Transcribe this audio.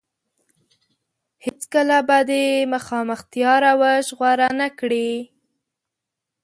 هېڅ کله به د مخامختيا روش غوره نه کړي.